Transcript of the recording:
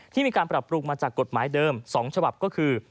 ที่มีการปรับปรุงมาจากกฎหมายเดิม๒ฉบับก็คือ